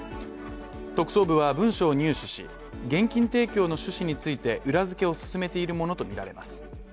特捜部は文書を入手し厳禁提供の趣旨について裏付けを進めているものとみられます。